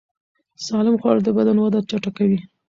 سالم خواړه د بدن وده چټکوي.